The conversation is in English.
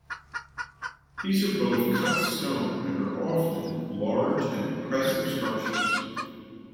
These are built of cut stone and are often large and impressive structures.